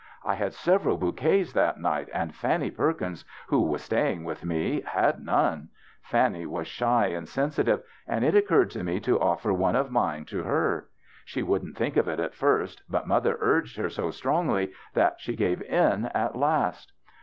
I had sev eral bouquets that night, and Fannie Perkins, who was staying with me, had none. Fan nie was shy and sensitive, and it occurred to me to offer one of mine to her. She wouldn't think of it at first, but mother urged her so strongly that she gave in at last.